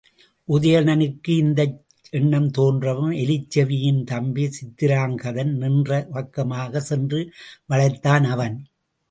உதயணனுக்கு இந்த எண்ணம் தோன்றவும் எலிச்செவியின் தம்பி சித்திராங்கதன் நின்ற பக்கமாகச் சென்று வளைத்தான் அவன்.